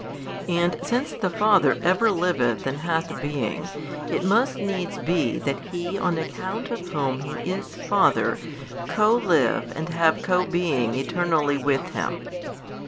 And since the Father ever liveth and hath being, it must needs be that He on account of Whom He is Father co live and have co Being Eternally with Him.